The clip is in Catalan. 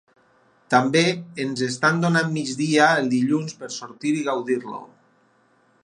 També ens estan donant mig dia el dilluns per sortir i gaudir-lo.